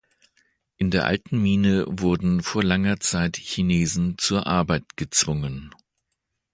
In der alten Mine wurden vor langer Zeit Chinesen zur Arbeit gezwungen.